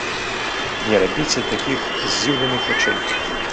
Не рабіце такіх здзіўленых вачэй!